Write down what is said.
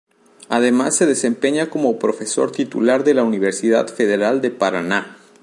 Además se ha desempeñado como profesor titular de la Universidad Federal de Paraná.